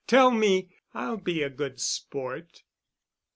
Tell me. I'll be a good sport."